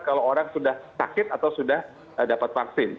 kalau orang sudah sakit atau sudah dapat vaksin